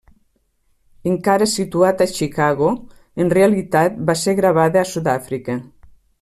Encara situat a Chicago, en realitat va ser gravada a Sud-àfrica.